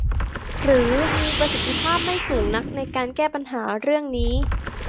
หรือมีประสิทธิภาพไม่สูงนักในการแก้ปัญหาเรื่องนี้